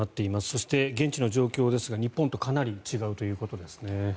そして現地の状況ですが日本とかなり違うということですね。